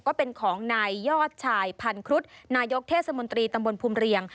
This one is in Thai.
ก็เป็นของนายยอดชายพันครุฑนายกเทศมนตรีตำบลภูมิเรียง